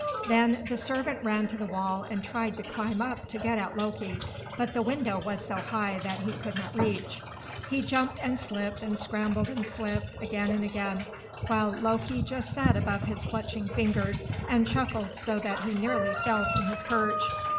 Then the servant ran to the wall and tried to climb up to get at Loki; but the window was so high that he could not reach. He jumped and slipped, scrambled and slipped, again and again, while Loki sat just above his clutching fingers, and chuckled so that he nearly fell from his perch.